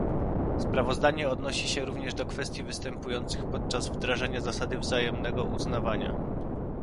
Sprawozdanie odnosi się również do kwestii występujących podczas wdrażania zasady wzajemnego uznawania